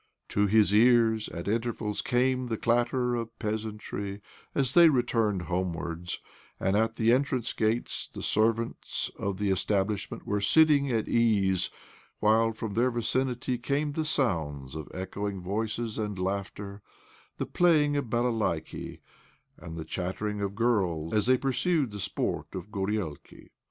To his ears, at intervals, came the clatter of peasantry as they returned homewards, and at the entrance gates the servants of the establish ment were sitting at ease, while from their vicinity came the sound of echoing voices and laughter, the playing of bcdalcdki,^ and the chattering of girls as they pursued' the sport of gorielki.